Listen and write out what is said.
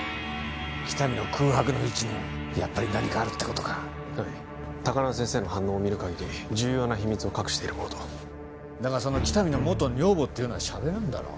喜多見の空白の１年やっぱり何かあるってことかはい高輪先生の反応を見る限り重要な秘密を隠しているものとだがその喜多見の元女房ってのはしゃべらんだろう